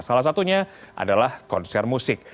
salah satunya adalah konser musik